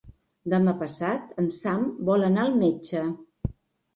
Demà passat en Sam vol anar al metge.